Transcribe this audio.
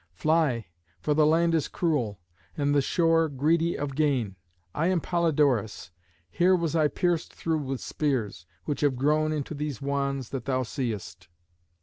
Fly, for the land is cruel, and the shore greedy of gain. I am Polydorus. Here was I pierced through with spears, which have grown into these wands that thou seest."